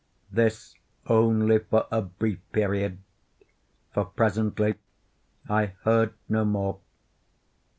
This only for a brief period, for presently I heard no more.